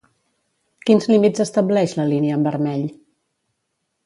Quins límits estableix la línia en vermell?